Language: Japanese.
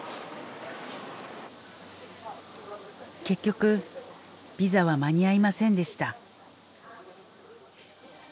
結局ビザは間に合いませんでした。